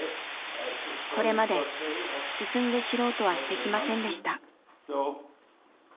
これまで進んで知ろうとはしてきませんでした。